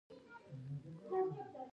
تر ټولو عالي شیان هغه څوک ترلاسه کوي.